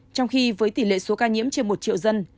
trong khi với tỷ lệ số ca nhiễm trên một triệu dân